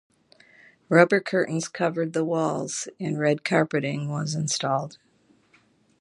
Rubber curtains covered the walls and red carpeting was installed.